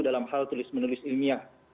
dalam hal tulis menulis ilmiah